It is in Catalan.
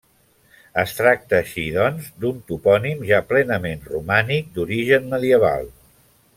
Es tracta, així, doncs, d'un topònim ja plenament romànic, d'origen medieval.